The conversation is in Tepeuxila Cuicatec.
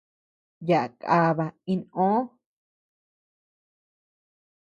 Yaá kaba inʼö.